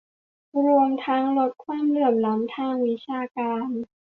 รวมทั้งลดความเหลื่อมล้ำทางวิชาการ